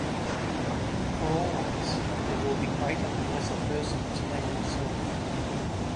For always there will be greater and lesser persons than yourself.